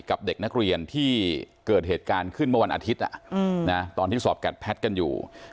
กับเด็กนักเรียนที่เกิดเหตุการณ์ขึ้นเมื่อวันอาทิตย์ตอนที่สอบแกดแพทย์กันอยู่